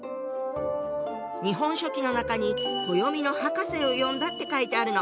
「日本書紀」の中に「暦の博士を呼んだ」って書いてあるの。